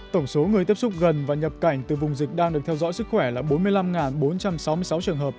tổng số người tiếp xúc gần và nhập cảnh từ vùng dịch đang được theo dõi sức khỏe là bốn mươi năm bốn trăm sáu mươi sáu trường hợp